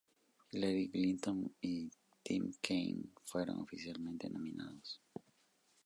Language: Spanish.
Hillary Clinton y Tim Kaine fueron oficialmente nominados.